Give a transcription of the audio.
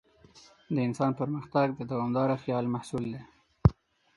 د انسان پرمختګ د دوامداره خیال محصول دی.